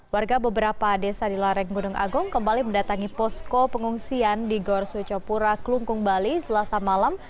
warga beberapa desa di lareng gunung agung kembali mendatangi posko pengungsian di gor swecapura kelungkung bali selasa malam